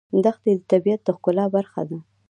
دښتې د طبیعت د ښکلا برخه ده.